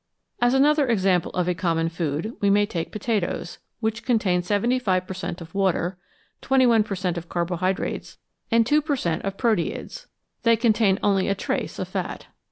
As another example of a common food, we may take potatoes, which contain 75 per cent, of water, 21 per cent, of carbohydrates, and 2 per cent, of proteids ; they contain only a trace of fat.